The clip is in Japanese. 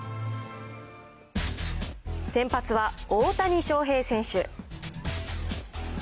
先発は大谷翔平選手。